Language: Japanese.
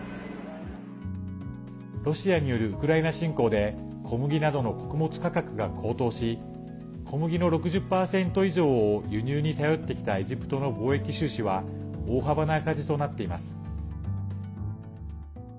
ロシアによるウクライナ侵攻で小麦などの穀物価格が高騰し小麦の６０％以上を輸入に頼ってきたエジプトの貿易収支は大幅な赤字となっています。